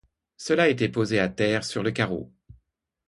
Cela était posé à terre sur le carreau.